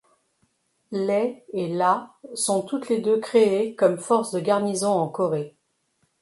Les et la sont toutes les deux créées comme force de garnison en Corée.